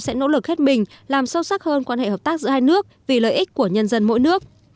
sẽ nỗ lực hết mình làm sâu sắc hơn quan hệ hợp tác giữa hai nước vì lợi ích của nhân dân mỗi nước